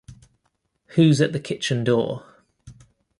Who's at the kitchen door?